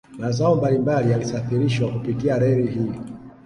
Mazao mbali mbali yalisafirishwa kupitia reli hii